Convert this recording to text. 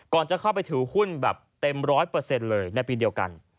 ก่อนจะเข้าไปถือหุ้นแบบเต็ม๑๐๐เลยในปีเดียวกัน